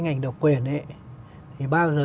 ngành độc quyền ấy thì bao giờ